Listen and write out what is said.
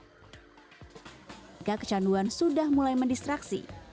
hingga kecanduan sudah mulai mendistraksi